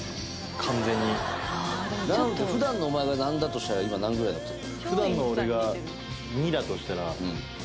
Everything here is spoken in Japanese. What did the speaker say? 何かふだんのお前が何だとしたら今何ぐらいなったの？